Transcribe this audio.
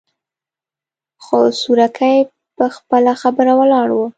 خو سورکی په خپله خبره ولاړ و.